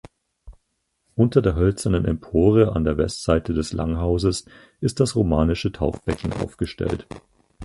Unter der hölzernen Empore an der Westseite des Langhauses ist das romanische Taufbecken aufgestellt.